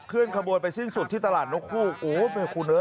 ขึ้นขบูรณ์ไปสิ้นสุดที่ตลาดนกฮูก